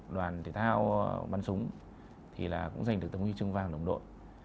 đoàn thể thao bắn súng thì là cũng giành được tấm huy chương vàng đồng đội